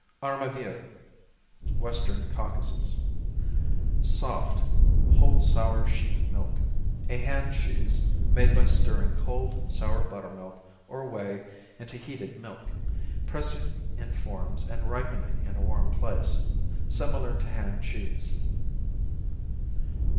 Armavir Western Caucasus Soft; whole sour sheep milk; a hand cheese made by stirring cold, sour buttermilk or whey into heated milk, pressing in forms and ripening in a warm place. Similar to Hand cheese.